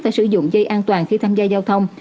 phải sử dụng dây an toàn khi tham gia giao thông